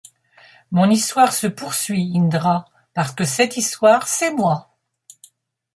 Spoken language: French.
Mon histoire se poursuit, Indra, parce que cette histoire c’est moi.